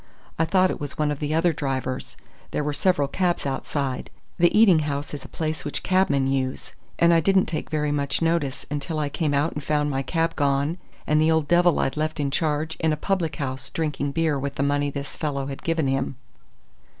I thought it was one of the other drivers there were several cabs outside. The eating house is a place which cabmen use, and I didn't take very much notice until I came out and found my cab gone and the old devil I'd left in charge in a public house drinking beer with the money this fellow had given him."